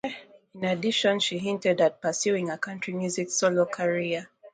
In addition, she hinted at pursuing a country music solo career.